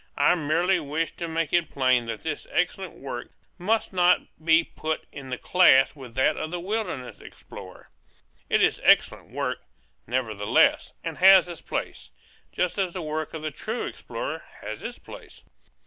I merely wish to make it plain that this excellent work must not be put in the class with that of the wilderness explorer. It is excellent work, nevertheless, and has its place, just as the work of the true explorer has its place.